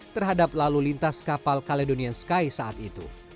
terhadap lalu lintas kapal caledonian sky saat itu